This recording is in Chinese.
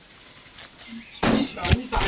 它由法语国家青年国家队参赛。